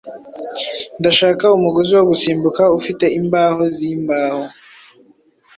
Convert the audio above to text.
Ndashaka umugozi wo gusimbuka ufite imbaho zimbaho.